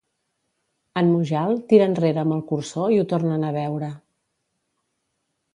En Mujal tira enrere amb el cursor i ho tornen a veure.